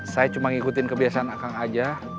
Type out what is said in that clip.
saya cuma ngikutin kebiasaan akang aja